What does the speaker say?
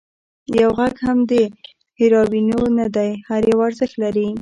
یو غږ هم د هېروانیو نه دی، هر یو ارزښت لري.